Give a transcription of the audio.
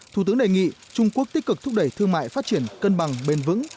thủ tướng đề nghị trung quốc tích cực thúc đẩy thương mại phát triển cân bằng bền vững